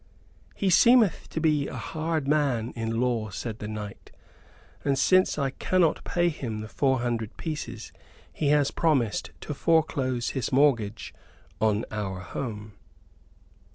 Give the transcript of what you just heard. "He seemeth to be a hard man in law," said the knight; "and since I cannot pay him the four hundred pieces he has promised to foreclose his mortgage on our home."